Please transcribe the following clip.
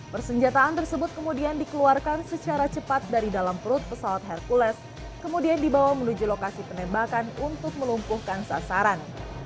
persenjataan tersebut kemudian dikeluarkan secara cepat dari dalam perut pesawat hercules kemudian dibawa menuju lokasi penembakan untuk melumpuhkan sasaran